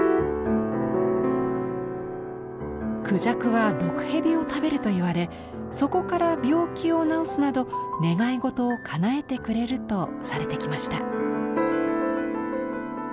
孔雀は毒蛇を食べるといわれそこから病気を治すなど願い事をかなえてくれるとされてきました。